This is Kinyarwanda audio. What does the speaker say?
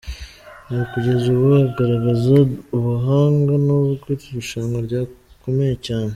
Kugeza ubu aragaragaza ubuhanga nubwo iri rushanwa rikomeye cyane.